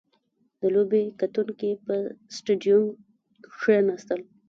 • د لوبې کتونکي په سټېډیوم کښېناستل.